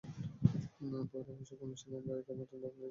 পয়লা বৈশাখের অনুষ্ঠানে আমরা এবার নতুন বাংলাদেশি ছাত্রদের বরণ করে নেব।